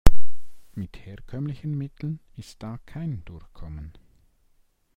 Mit herkömmlichen Mitteln ist da kein Durchkommen.